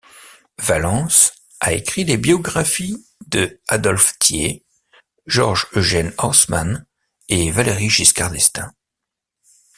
Valance a écrit les biographies de Adolphe Thiers, Georges-Eugène Haussmann et Valéry Giscard d'Estaing.